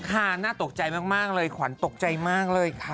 ขาน่าตกใจมากเลยขวันตกใจมากเลย